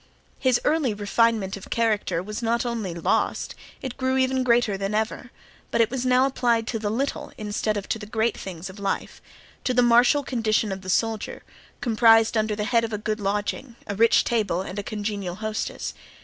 His early refinement of character was not only not lost, it grew even greater than ever; but it was now applied to the little, instead of to the great things of life—to the martial condition of the soldier—comprised under the head of a good lodging, a rich table, a congenial hostess.